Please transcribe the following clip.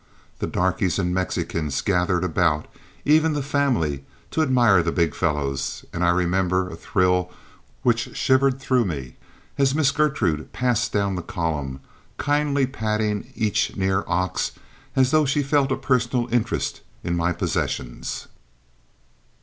The darkies and Mexicans gathered about, even the family, to admire the big fellows, and I remember a thrill which shivered through me as Miss Gertrude passed down the column, kindly patting each near ox as though she felt a personal interest in my possessions.